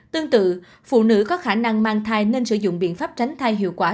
tương tự phụ nữ có khả năng mang thai nên sử dụng biện pháp tránh thai hiệu quả